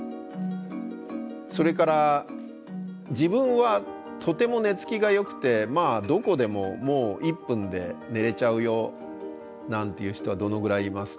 それから自分はとても寝つきがよくてどこでも１分で寝れちゃうよなんていう人はどのぐらいいますかね？